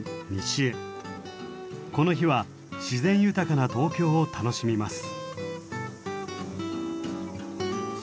この日は自然豊かな東京を楽しみます。